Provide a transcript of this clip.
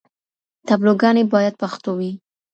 تابلوګانې بايد پښتو وي.